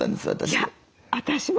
いや私も。